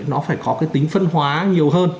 nó phải có cái tính phân hóa nhiều hơn